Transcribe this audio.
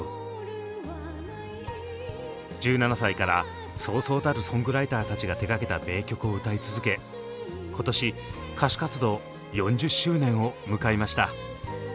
１７歳からそうそうたるソングライターたちが手がけた名曲を歌い続け今年歌手活動４０周年を迎えました。